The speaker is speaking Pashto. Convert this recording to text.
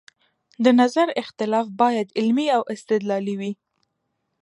د نظر اختلاف باید علمي او استدلالي وي